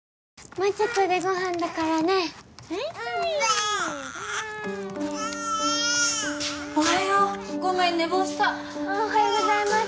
もうちょっとでご飯だからねはいはいおはようごめん寝坊したあっおはようございます